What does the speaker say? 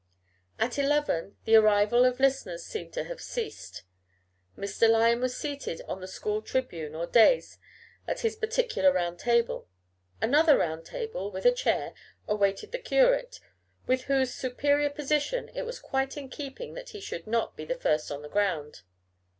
At eleven the arrival of listeners seemed to have ceased. Mr. Lyon was seated on the school tribune or dais at his particular round table; another round table, with a chair, awaited the curate, with whose superior position it was quite in keeping that he should not be the first on the ground.